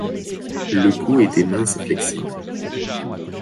Le cou était mince et flexible.